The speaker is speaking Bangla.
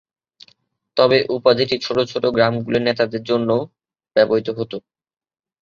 তবে উপাধিটি ছোট ছোট গ্রামগুলির নেতাদের জন্যও ব্যবহৃত হত।